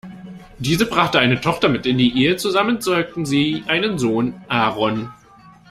Diese brachte eine Tochter mit in die Ehe, zusammen zeugten sie einen Sohn, Aaron.